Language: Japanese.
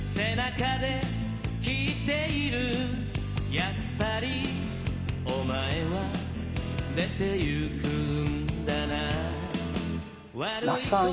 「やっぱりお前は出て行くんだな」